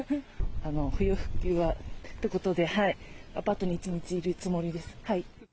不要不急はってことで、アパートに一日いるつもりです。